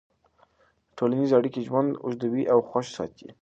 ټولنیزې اړیکې ژوند اوږدوي او خوښ ساتي.